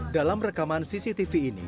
dalam rekaman cctv ini